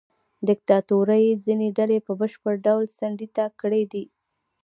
دیکتاتورۍ ځینې ډلې په بشپړ ډول څنډې ته کړې دي.